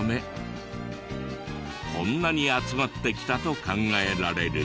こんなに集まってきたと考えられる。